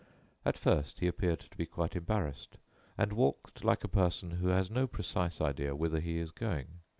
At first he appeared to be quite embarrassed, and walked like a person who has no precise idea whither he is going.